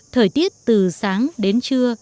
thời tiết từ sáng đến trưa